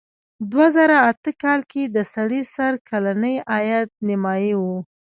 دوه زره اته کال کې د سړي سر کلنی عاید نیمايي و.